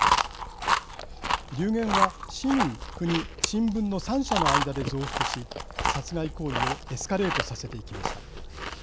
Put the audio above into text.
流言は市民、国、新聞の３者の間で増幅し殺害行為をエスカレートさせていきました。